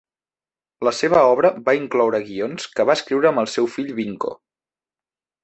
La seva obra va incloure guions que va escriure amb el seu fill Vinko.